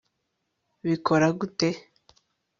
bikora gute